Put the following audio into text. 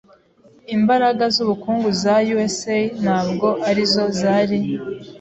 Imbaraga zubukungu za USA ntabwo arizo zari.